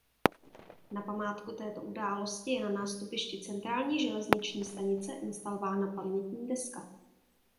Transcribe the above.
Na památku této události je na nástupišti centrální železniční stanice instalována pamětní deska.